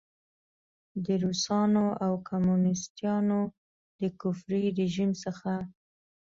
د روسانو او کمونیسټانو د کفري رژیم څخه.